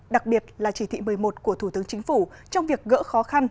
đặc biệt là chỉ thị một mươi một của thủ tướng chính phủ trong việc gỡ khó khăn